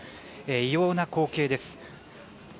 異様な光景です。